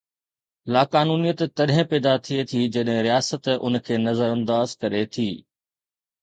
لاقانونيت تڏهن پيدا ٿئي ٿي جڏهن رياست ان کي نظرانداز ڪري ٿي.